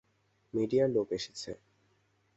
মিডিয়ার লোক এসেছে।